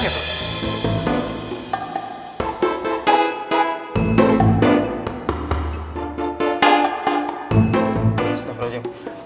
terus tuh terus tuh